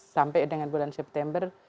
sampai dengan bulan september